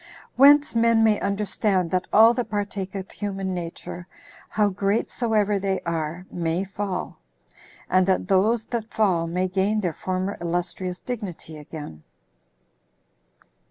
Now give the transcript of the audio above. Whence men may understand that all that partake of human nature, how great soever they are, may fall; and that those that fall may gain their former illustrious dignity again.